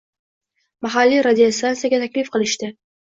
Mahalliy radiostansiyaga taklif qilishdi.